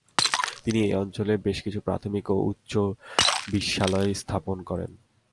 তিনি ঐ অঞ্চলে বেশ কিছু প্রাথমিক ও উচ্চ বিস্যালয় স্থাপন করেন।